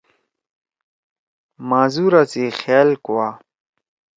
معذورا سی خیال کوا۔